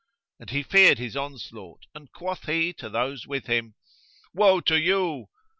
And he feared his onslaught and quoth he to those with him, "Woe to you!